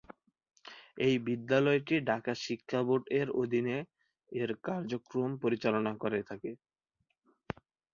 এই বিদ্যালয়টি ঢাকা শিক্ষা বোর্ড এর অধীনে এর কার্যক্রম পরিচালনা করে থাকে।